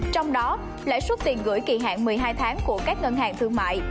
trong đó lãi suất tiền gửi kỳ hạn một mươi hai tháng của các ngân hàng thương mại